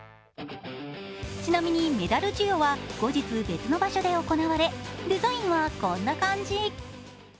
ちなみにメダル授与は後日、別の場所で行われデザインはこんな感じ。